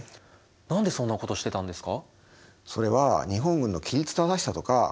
何でそんなことしてたんですか？